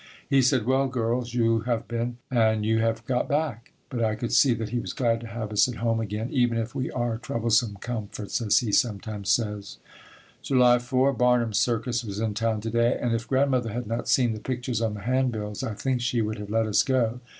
He said, "Well, girls, you have been and you have got back," but I could see that he was glad to have us at home again, even if we are "troublesome comforts," as he sometimes says. July 4. Barnum's circus was in town to day and if Grandmother had not seen the pictures on the hand bills I think she would have let us go.